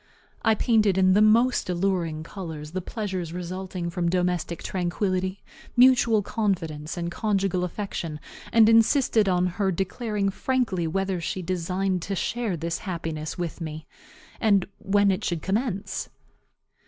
I painted, in the most alluring colors, the pleasures resulting from domestic tranquillity, mutual confidence, and conjugal affection, and insisted on her declaring frankly whether she designed to share this happiness with me, and when it should commence.